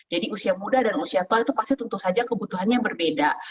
jadi usia muda dan usia tua itu pasti tentu saja kebutuhannya berbeda